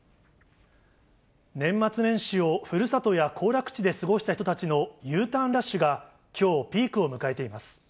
年末年始をふるさとや行楽地で過ごした人たちのＵターンラッシュが、きょう、ピークを迎えています。